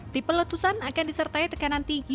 tipe letusan akan disertai tekanan tinggi